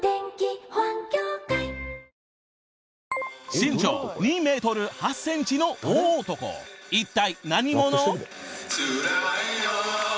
身長２ｍ８ｃｍの大男一体何者？